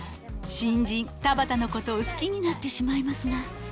新人田畑のことを好きになってしまいますが。